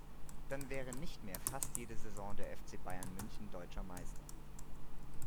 Dann wäre nicht mehr fast jede Saison der FC Bayern München deutscher Meister.